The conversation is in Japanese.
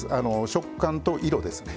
食感と色ですね。